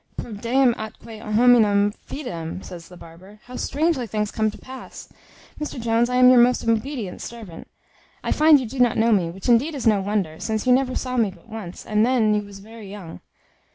"Proh deum atque hominum fidem!" says the barber; "how strangely things come to pass! Mr Jones, I am your most obedient servant. I find you do not know me, which indeed is no wonder, since you never saw me but once, and then you was very young.